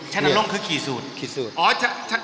ชันโรมคือขี้สูตร